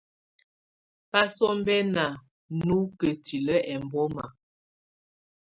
Basɔmbɛna á nɔ kǝ́tilǝ́ ɛmbɔma.